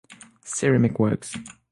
Ceramic works.